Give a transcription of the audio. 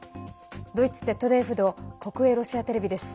ドイツＺＤＦと国営ロシアテレビです。